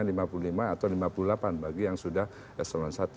dengan lima puluh lima atau lima puluh delapan bagi yang sudah s sembilan puluh satu